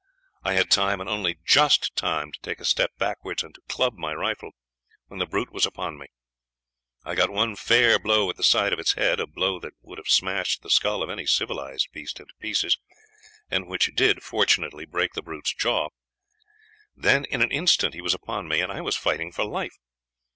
I had time, and only just time, to take a step backwards, and to club my rifle, when the brute was upon me. I got one fair blow at the side of its head, a blow that would have smashed the skull of any civilized beast into pieces, and which did fortunately break the brute's jaw; then in an instant he was upon me, and I was fighting for life.